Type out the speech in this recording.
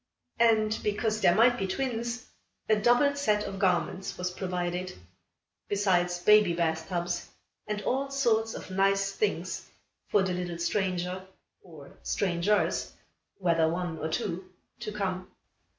And, because there might be twins, a double set of garments was provided, besides baby bathtubs and all sorts of nice things for the little stranger or strangers whether one or two to come.